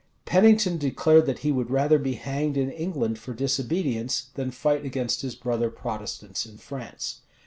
Pennington declared that he would rather be hanged in England for disobedience, than fight against his brother Protestants in France.